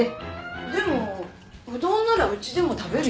でもうどんならうちでも食べるよ。